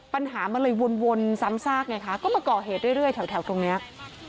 ปัญหามันเลยวนซ้ำซากไงคะก็มาก่อเหตุเรื่อยแถวตรงเนี้ย